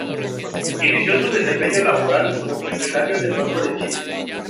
Inició su desempeñó laboral como funcionario del Banco de Chile.